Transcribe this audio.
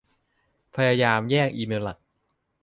พยายามแยกอีเมลหลัก